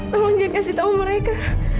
tolong jangan kasih tau mereka